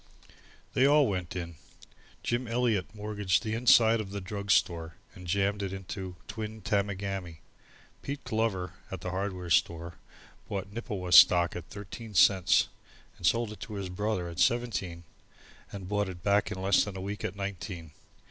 They all went in. Jim Eliot mortgaged the inside of the drug store and jammed it into Twin Tamagami. Pete Glover at the hardware store bought Nippewa stock at thirteen cents and sold it to his brother at seventeen and bought it back in less than a week at nineteen.